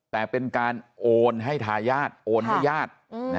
แต่เป็นการโอนให้ทายาทโอนให้ญาติ